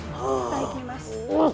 baik ini mas